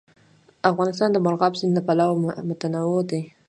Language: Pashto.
افغانستان د مورغاب سیند له پلوه متنوع دی.